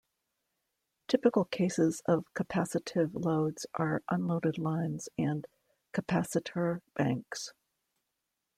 Typical cases of capacitive loads are unloaded lines and capacitor banks.